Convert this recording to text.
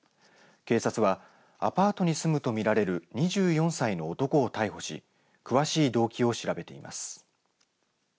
警察はアパートに住むと見られる２４歳の男を逮捕し詳しい動機を調べています。